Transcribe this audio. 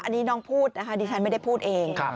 อันนี้น้องพูดนะคะดิฉันไม่ได้พูดเอง